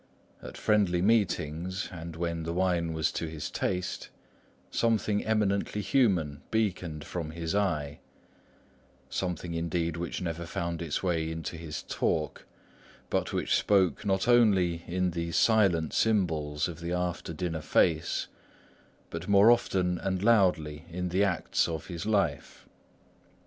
At friendly meetings, and when the wine was to his taste, something eminently human beaconed from his eye; something indeed which never found its way into his talk, but which spoke not only in these silent symbols of the after dinner face, but more often and loudly in the acts of his life.